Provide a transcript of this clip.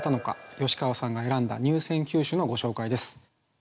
吉川さんが選んだ入選九首のご紹介です。